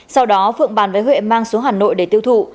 sau đó phượng bàn với huệ mang xuống hà nội để tiêu thụ